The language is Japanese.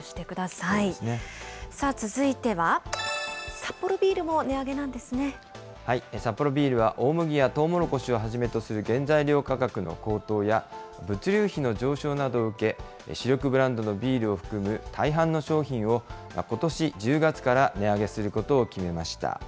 さあ、続いては、サッポロビールサッポロビールは、大麦やとうもろこしをはじめとする原材料価格の高騰や、物流費の上昇などを受け、主力ブランドのビールを含む大半の商品を、ことし１０月から値上げすることを決めました。